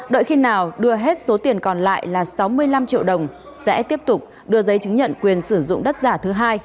đợi khi nào đưa hết số tiền còn lại là sáu mươi năm triệu đồng sẽ tiếp tục đưa giấy chứng nhận quyền sử dụng đất giả thứ hai